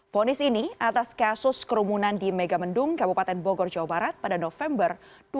fonis ini atas kasus kerumunan di megamendung kabupaten bogor jawa barat pada november dua ribu dua puluh